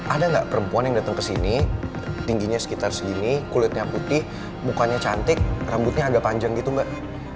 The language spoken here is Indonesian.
ada gak perempuan yang dateng kesini tingginya sekitar segini kulitnya putih mukanya cantik rambutnya agak panjang gitu gak